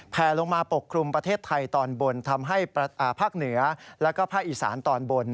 แผลลงมาปกคลุมประเทศไทยตอนบนทำให้ภาคเหนือแล้วก็ภาคอีสานตอนบน